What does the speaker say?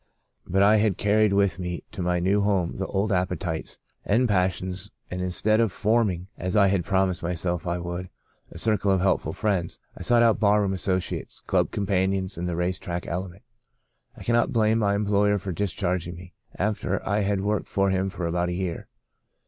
But I had carried with me to my new home the old appetites, and passions, and instead of forming, as I had By a Great Deliverance 157 promised myself I would, a circle of helpful friends, I sought out barroom associates, club companions and the race track element. I cannot blame my employer for discharging me, after I had worked for him for about a year.